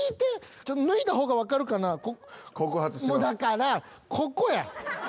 もうだからここや。